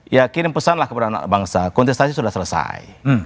ya kirim pesanlah kepada anak bangsa kontestasi sudah selesai